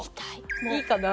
いいかな？